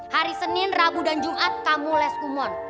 hari senin rabu dan jumat kamu les umur